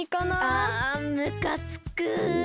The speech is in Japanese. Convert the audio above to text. あむかつく。